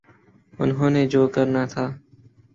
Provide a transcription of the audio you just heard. انہوں نے جو کرنا تھا۔